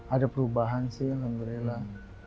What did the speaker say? ada perubahan sih alhamdulillah